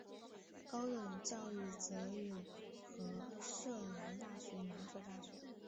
高等教育则有和摄南大学两所大学。